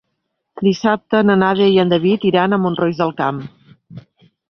Dissabte na Nàdia i en David iran a Mont-roig del Camp.